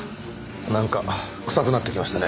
なんか臭くなってきましたね。